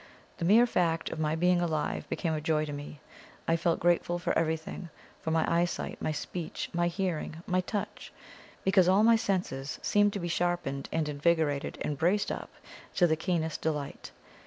The mere fact of my being alive became a joy to me; I felt grateful for everything for my eyesight, my speech, my hearing, my touch because all my senses seemed to be sharpened and invigorated and braced up to the keenest delight.